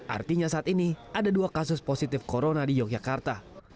artinya saat ini ada dua kasus positif corona di yogyakarta